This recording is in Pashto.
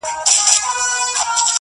زه چي کور ته ورسمه هغه نه وي.